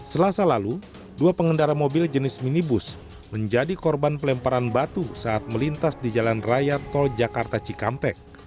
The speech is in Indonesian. selasa lalu dua pengendara mobil jenis minibus menjadi korban pelemparan batu saat melintas di jalan raya tol jakarta cikampek